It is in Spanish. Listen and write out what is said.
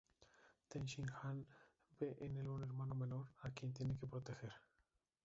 Ten Shin Han ve en el un hermano menor a quien tiene que proteger.